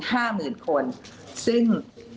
ห้าหมื่นคนซึ่ง